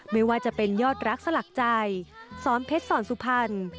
ไม่ว่าจะเป็นยอดรักสลักใจสอนเพชรสอนสุพรรณ